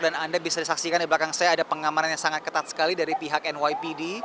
dan anda bisa disaksikan di belakang saya ada pengamanan yang sangat ketat sekali dari pihak nypd